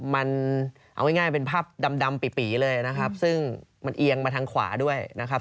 มันเอาง่ายเป็นภาพดำปีเลยนะครับซึ่งมันเอียงมาทางขวาด้วยนะครับ